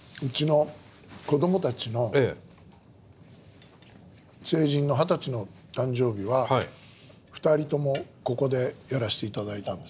うちの子どもたちの成人の２０歳の誕生日は２人ともここでやらせて頂いたんです。